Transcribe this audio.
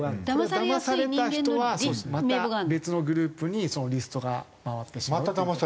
だまされた人はまた別のグループにそのリストが回ってしまうという。